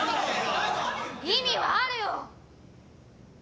意味はあるよ！